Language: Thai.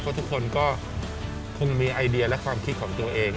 เพราะทุกคนก็คงมีไอเดียและความคิดของตัวเอง